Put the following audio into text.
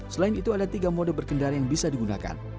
selain itu ada tiga mode berkendara yang bisa digunakan